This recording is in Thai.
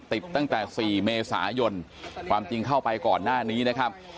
ติดตั้งแต่๔เมษายนความจริงเข้าไปก่อนหน้านี้นะครับ